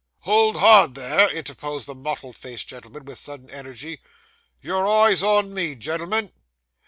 'Hold hard there,' interposed the mottled faced gentleman, with sudden energy; 'your eyes on me, gen'l'm'n!